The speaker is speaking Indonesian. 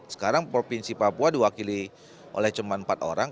sekarang provinsi papua diwakili oleh cuma empat orang